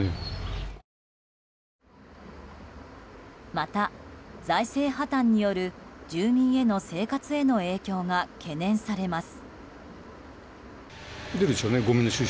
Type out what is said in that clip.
また、財政破綻による住民への生活への影響が懸念されます。